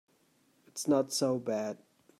It's not so bad.